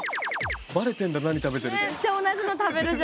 ばれてんだ、何食べてるか。